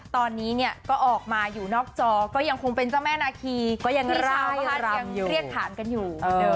ตอนนี้เนี่ยก็ออกมาอยู่นอกจอก็ยังคงเป็นเจ้าแม่นาคีก็ยังรับยังเรียกฐานกันอยู่